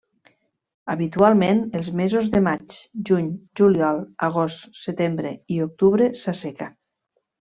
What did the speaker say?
Habitualment, els mesos de maig, juny, juliol, agost, setembre i octubre s'asseca.